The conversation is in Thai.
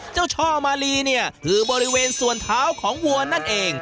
เจ้าช่อมาลีก็คือบริเวณสวนเท้าของวัวนั่นเอง